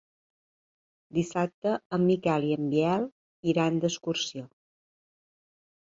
Dissabte en Miquel i en Biel iran d'excursió.